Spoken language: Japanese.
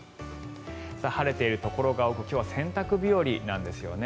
晴れているところが多く今日は洗濯日和なんですね。